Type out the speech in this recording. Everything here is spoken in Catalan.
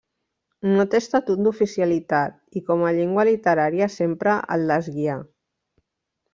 No té estatut d'oficialitat i com a llengua literària s'empra el lesguià.